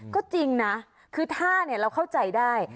ก็จริงนะคือท่าเนี่ยเราเข้าใจได้